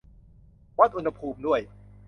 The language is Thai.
วัดอุณหภูมิด้วย